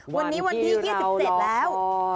วันนี้วันที่๒๗แล้ว